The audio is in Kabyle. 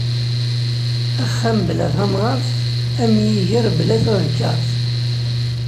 Axxam bla tamɣart am yiger bla tadekkart.